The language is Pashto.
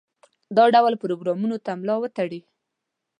دا ډول پروګرامونو ته ملا وتړي.